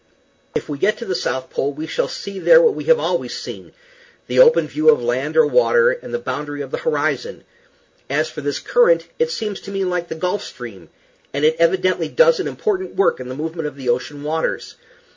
If we get to the South Pole we shall see there what we have always seen the open view of land or water, and the boundary of the horizon. As for this current, it seems to me like the Gulf Stream, and it evidently does an important work in the movement of the ocean waters.